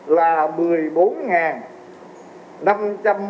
là một mươi bốn năm trăm bốn mươi chín tấn